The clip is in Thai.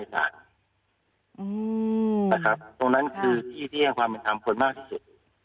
ตรงนั้นคือที่ที่ให้ความเป็นธรรมคนมากที่สุด